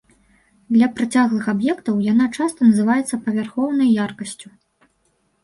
Для працяглых аб'ектаў яна часта называецца павярхоўнай яркасцю.